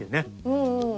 「うんうん」